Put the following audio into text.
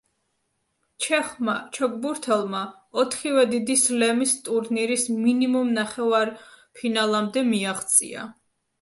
ჩეხმა ჩოგბურთელმა ოთხივე დიდი სლემის ტურნირის მინიმუმ ნახევარფინალამდე მიაღწია.